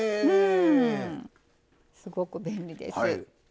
すごく便利です。